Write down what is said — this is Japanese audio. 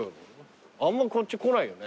あんまこっち来ないよね。